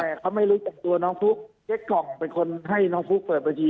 แต่เขาไม่รู้จักตัวน้องฟุ๊กเจ๊กล่องเป็นคนให้น้องฟุ๊กเปิดบัญชี